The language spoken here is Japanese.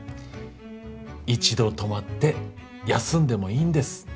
一度止まって休んでもいいんです。